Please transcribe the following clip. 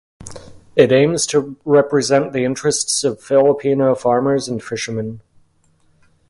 It aims to represent the interest of Filipino farmers and fishermen.